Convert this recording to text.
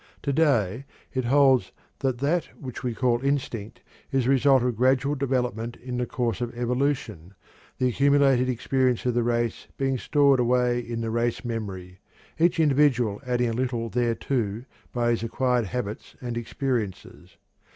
To day it holds that that which we call "instinct" is the result of gradual development in the course of evolution, the accumulated experience of the race being stored away in the race memory, each individual adding a little thereto by his acquired habits and experiences.